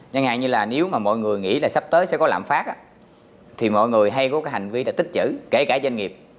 nhân hàng như là nếu mà mọi người nghĩ là sắp tới sẽ có lãm phát á thì mọi người hay có cái hành vi là tích chữ kể cả doanh nghiệp